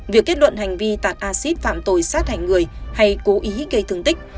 việc kết luận hành vi tạt acid phạm tội sát hành người hay cố ý gây tường tích